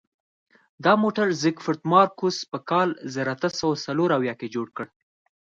دا موټر زیکفرد مارکوس په کال زر اته سوه څلور اویا کې جوړ کړ.